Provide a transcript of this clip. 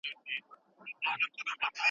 اقتصادي وده د ټولنې پرمختګ نښه ده.